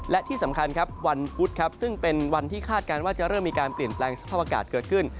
และที่สำคัญครับวันพุธครับซึ่งเป็นวันที่คาดการณ์ว่าจะเริ่มมีการเปลี่ยนแปลงสภาพอากาศเกิดขึ้น